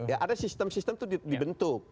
ya ada sistem sistem itu dibentuk